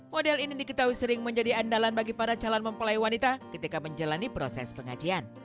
model ini diketahui sering menjadi andalan bagi para calon mempelai wanita ketika menjalani proses pengajian